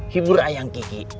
hibur ayang kiki